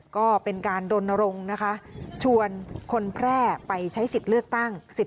ก็เป็นการดนรงค์นะคะชวนคนแพร่ไปใช้สิทธิ์เลือกตั้ง